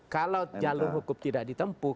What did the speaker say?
kalau jalur hukum tidak ditempuh